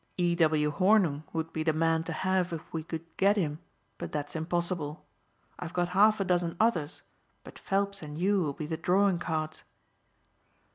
E. W. Hornung would be the man to have if we could get him, but that's impossible. I've got half a dozen others, but Phelps and you will be the drawing cards."